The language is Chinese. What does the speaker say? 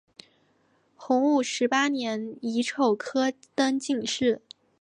洪武十八年乙丑科登进士。